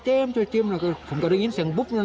เป็นเมื่อแขกก็เวลาตั้งสิ่งตรงบอง